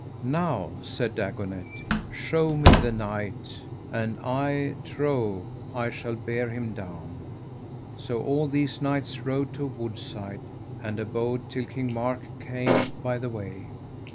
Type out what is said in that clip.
Now, said Dagonet, shew me the knight, and I trow I shall bear him down. So all these knights rode to a woodside, and abode till King Mark came by the way.